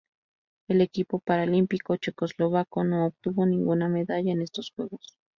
El equipo paralímpico checoslovaco no obtuvo ninguna medalla en estos Juegos.